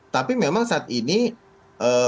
tapi memang saat ini kuotanya meskipun